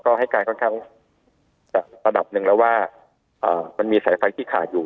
เขาก็ให้กายข้างสระดับนึงแหละว่าเอ่อมันมีสายฟัยที่ขายอยู่